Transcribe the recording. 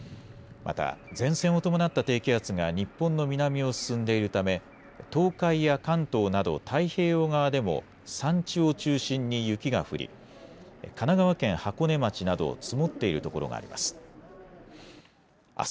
また、前線を伴った低気圧が日本の南を進んでいるため、東海や関東など太平洋側でも、山地を中心に雪が降り、神奈川県箱根町など、積もっている所もあります。